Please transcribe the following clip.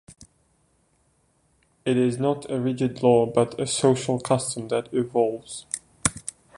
It is not a rigid law but a social custom that evolves.